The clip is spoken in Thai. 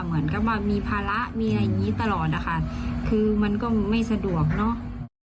เหมือนกับว่ามีภาระมีอะไรอย่างนี้ตลอดนะคะคือมันก็ไม่สะดวกเนอะ